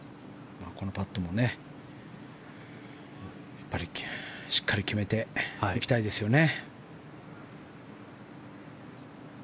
このパットも、しっかり決めていきたいですよね。